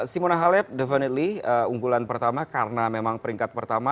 simona halep definitely unggulan pertama karena memang peringkat pertama